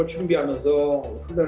untuk membuat saya memiliki kemahiran